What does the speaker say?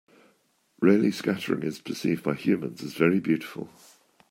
Raleigh scattering is perceived by humans as very beautiful.